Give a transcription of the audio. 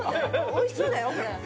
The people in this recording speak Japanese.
おいしそうだよこれ。